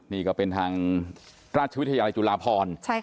นี่ก็เป็นทางราชวิทยาลัยจุฬาพร